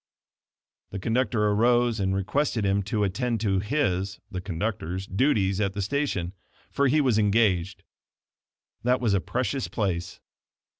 The conductor arose and requested him to attend to his (the conductor's) duty at the station, for he was engaged. That was a precious place.